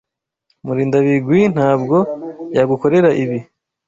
Murindabigwi ntabwo yagukorera ibi.